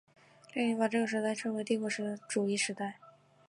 列宁把这个时代称为帝国主义时代。